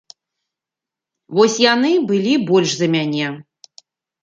Вось яны былі больш за мяне.